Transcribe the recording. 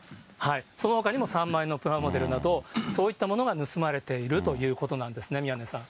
そのほかにも３万円のプラモデルなど、そういったものが盗まれているということなんですね、宮根さん。